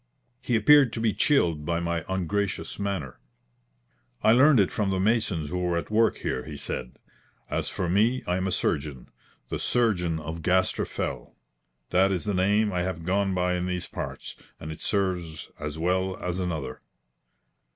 He appeared to be chilled by my ungracious manner. "I learned it from the masons who were at work here," he said. "As for me, I am a surgeon, the surgeon of Gaster Fell. That is the name I have gone by in these parts, and it serves as well as another."